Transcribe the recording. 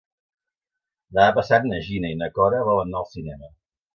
Demà passat na Gina i na Cora volen anar al cinema.